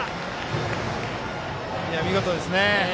見事ですね。